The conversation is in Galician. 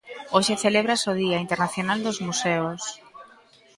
Hoxe celébrase o Día Internacional dos Museos.